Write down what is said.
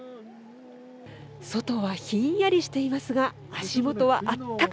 外はひんやりしていますが、足元はあったか。